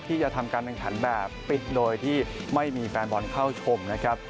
ที่จะทำการแข่งขันแบบปิดโดยที่ไม่มีแฟนบอลเข้าชมนะครับ